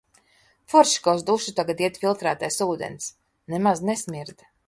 Forši, ka uz dušu tagad iet filtrētais ūdens – nemaz nesmird.